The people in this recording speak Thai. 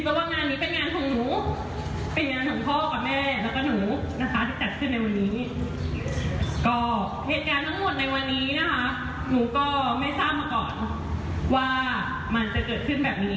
ก็เหตุการณ์ทั้งหมดในวันนี้นะคะหนูก็ไม่ทราบมาก่อนว่ามันจะเกิดขึ้นแบบนี้